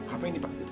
apa ini pak